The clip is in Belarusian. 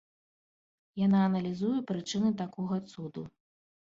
Яна аналізуе прычыны такога цуду.